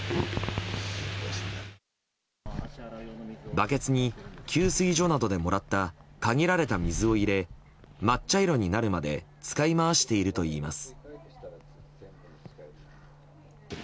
バケツに給水所などでもらった限られた水を入れ真っ茶色になるまで使い回しているといいます。